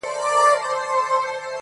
مجرم د غلا خبري پټي ساتي~